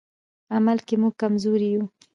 عمل کې موږ کمزوري یو.